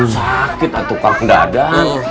sakit ah tukang dadang